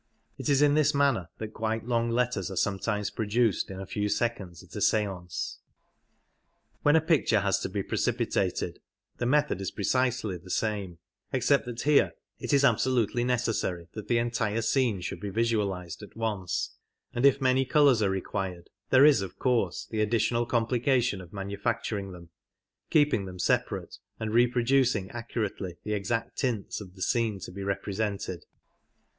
It is in this manner that quite long letters are sometimes produced in a few seconds at a stance. When a picture has to be precipitated the method is pre 96 cisely the same, except that here it is absolutely necessary that the entire scene should be visualized at once, and if many colours are required there is of course the additional comphcation of manufacturing them, keeping them separate, and reproducing accurately the exact tints of the scene to be represented.